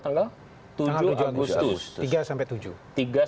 tanggal tujuh agustus